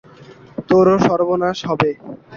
তোরও সর্বনাশ হবে।